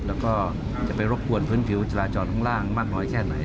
แล้วก็จะไปรบกวนพื้นผิวจราจรข้างล่างมากน้อยแค่ไหน